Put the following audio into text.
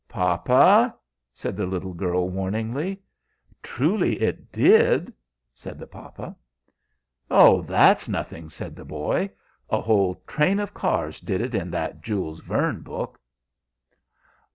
"Papa!" said the little girl, warningly. "Truly it did," said the papa. "Ho! that's nothing," said the boy. "A whole train of cars did it in that Jules Verne book."